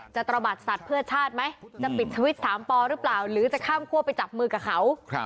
ตระบัดสัตว์เพื่อชาติไหมจะปิดทวิต๓ปอหรือเปล่าหรือจะข้ามคั่วไปจับมือกับเขา